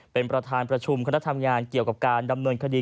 เป็นประธานประชุมคณะทำงานเกี่ยวกับการดำเนินคดี